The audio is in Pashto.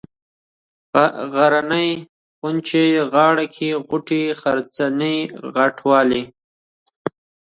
غرنۍ ، غونچه ، غاړه كۍ ، غوټۍ ، غرڅنۍ ، غاټوله